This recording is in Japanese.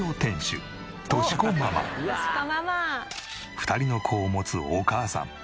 ２人の子を持つお母さん。